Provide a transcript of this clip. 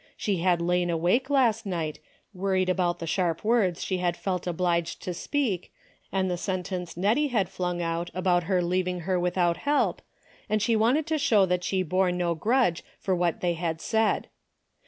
She had lain awake last night, worried about the sharp words she had felt obliged to speak, and the sentence Nettie had flung out about her leaving her without help, and she wanted to show that she bore no grudge for what they had said.